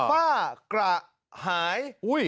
ฝ้ากระหายอุ้ย